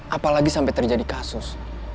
apalagi sampai terjadi kasus